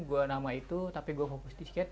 gue nama itu tapi gue fokus di skate